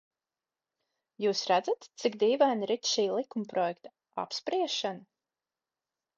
Jūs redzat, cik dīvaini rit šā likumprojekta apspriešana.